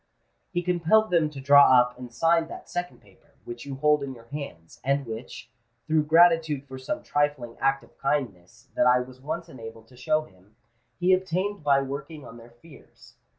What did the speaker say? He compelled them to draw up and sign that second paper, which you hold in your hands, and which, through gratitude for some trifling act of kindness that I was once enabled to show him, he obtained by working on their fears.